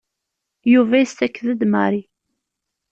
Yuba yessaked-d Mary.